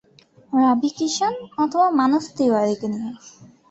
রাভি কিষাণ অথবা মানোজ তিওয়ারিকে নিয়ে।